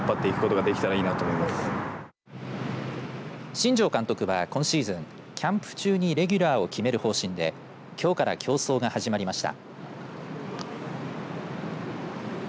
新庄監督は今シーズンキャンプ中にレギュラーを決める方針できょうから競争が始まりました。